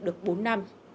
được bốn năm